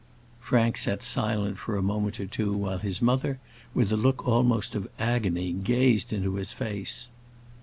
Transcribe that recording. Frank sat silent for a moment or two while his mother, with a look almost of agony, gazed into his face.